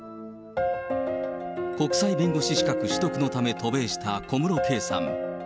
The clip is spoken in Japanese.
国際弁護士資格取得のため渡米した小室圭さん。